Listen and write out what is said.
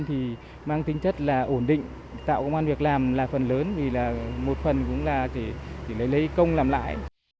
thì mang tính chất là ổn định tạo công an việc làm là phần lớn vì là một phần cũng là để lấy công làm lại